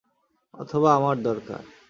অথবা আমার দরকার।